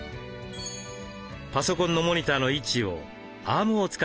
パソコンのモニターの位置をアームを使って調整。